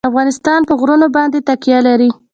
افغانستان په غرونه باندې تکیه لري.